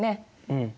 うん。